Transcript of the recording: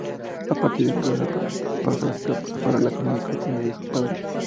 A partir de entonces pasa a acaparar la comida y atención de sus padres.